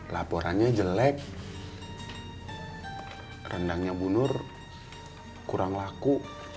laporannya jelek rendangnya bunur kurang laku